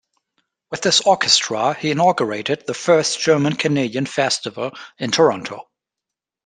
With this orchestra he inaugurated the first German-Canadian Festival in Toronto.